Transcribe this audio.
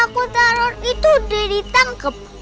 aku tarot itu udah ditangkep